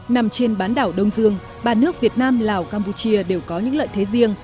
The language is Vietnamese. nằm trên bán đảo đông dương ba nước việt nam lào campuchia đều có những lợi thế riêng